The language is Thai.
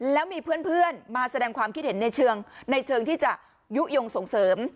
แล้วมีเพื่อนมาแสดงความคิดเห็นในเชิงในเชิงที่จะยุโยงส่งเสริม